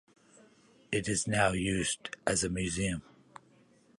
It is now used as a museum.